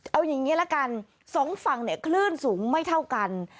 เอาอย่างนี้ละกันสองฝั่งเนี่ยคลื่นสูงไม่เท่ากัน